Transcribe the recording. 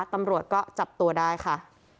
ตำรวจก็จับตัวได้ค่ะ